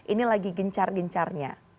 ini lagi gencar gencarnya